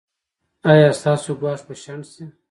ایا ستاسو ګواښ به شنډ شي؟